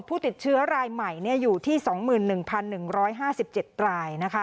ผู้ติดเชื้อรายใหม่อยู่ที่๒๑๑๕๗ราย